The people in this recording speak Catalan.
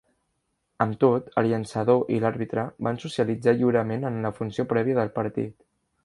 Amb tot, el llançador i l'àrbitre van socialitzar lliurement en la funció prèvia del partit.